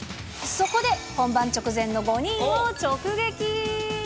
そこで本番直前の５人を直撃。